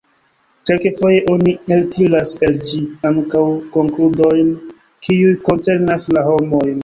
Kelkfoje oni eltiras el ĝi ankaŭ konkludojn, kiuj koncernas la homojn.